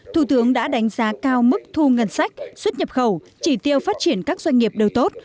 thủ tướng đã đánh giá cao mức thu ngân sách xuất nhập khẩu chỉ tiêu phát triển các doanh nghiệp đều tốt